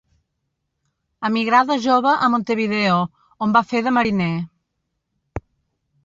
Emigrà de jove a Montevideo, on va fer de mariner.